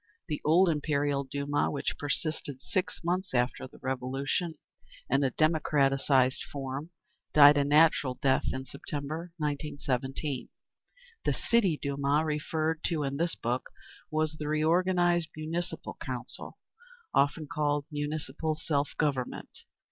The old Imperial Duma, which persisted six months after the Revolution, in a democratised form, died a natural death in September, 1917. The City Duma referred to in this book was the reorganised Municipal Council, often called "Municipal Self Government."